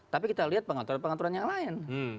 tapi kita lihat pengaturannya yang lain